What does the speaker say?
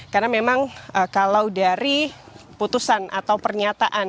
karena memang kalau dari putusan atau pernyataan